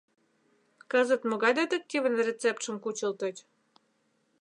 Кызыт могай детективын рецептшым кучылтыч?